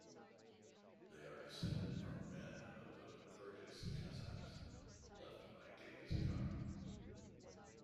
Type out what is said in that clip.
They are descended from men of the Kirgis Casaks, left by Genghis Khan.